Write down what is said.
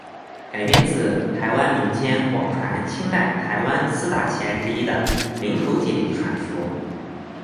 改编自台湾民间广传清代台湾四大奇案之一的林投姐一传说。